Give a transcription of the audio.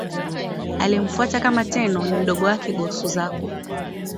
Aliyemfuata kama Tenno ni mdogo wake, Go-Suzaku.